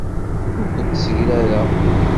Ur kent-ssegrareɣ.